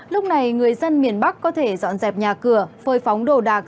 lúc này người dân miền bắc có thể dọn dẹp nhà cửa phơi phóng đồ đạc